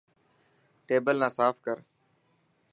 ٽيبل نا ساف ڪر.